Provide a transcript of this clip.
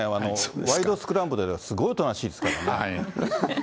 ワイドスクランブルではすごいおとなしいですからね。